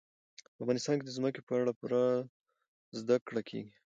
په افغانستان کې د ځمکه په اړه پوره زده کړه کېږي.